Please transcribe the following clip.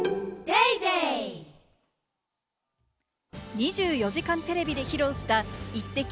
『２４時間テレビ』で披露した、『イッテＱ！』